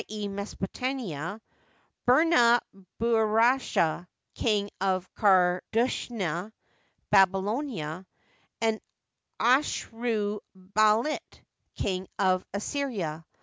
e., Mesopotamia), Burna burt'ask. King of Karduniash (Babylonia), and Ashuru ballit. King of Assyria.